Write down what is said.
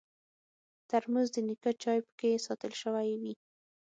ترموز د نیکه چای پکې ساتل شوی وي.